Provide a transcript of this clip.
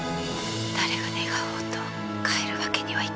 誰が願おうと帰るわけにはいかぬ。